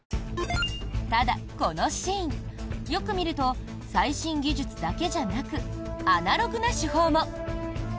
ただ、このシーンよく見ると最新技術だけじゃなくアナログな手法も。